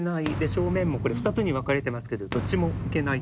「正面もこれ２つに分かれてますけどどっちも行けない」